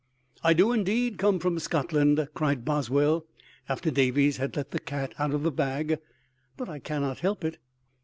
"I do, indeed, come from Scotland," cried Boswell, after Davies had let the cat out of the bag; "but I cannot help it."